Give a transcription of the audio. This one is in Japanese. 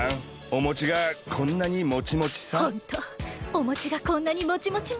お餅がこんなにもちもちね。